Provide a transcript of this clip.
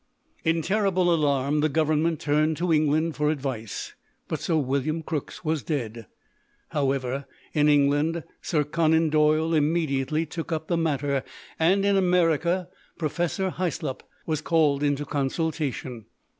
In terrible alarm the Government turned to England for advice. But Sir William Crookes was dead. However, in England, Sir Conan Doyle immediately took up the matter, and in America Professor Hyslop was called into consultation.